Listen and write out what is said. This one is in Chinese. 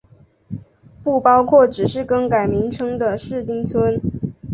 不包括只是更改名称的市町村。